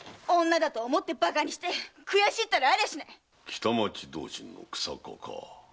北町同心の日下か。